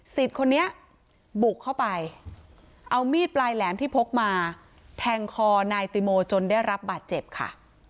คนนี้บุกเข้าไปเอามีดปลายแหลมที่พกมาแทงคอนายติโมจนได้รับบาดเจ็บค่ะ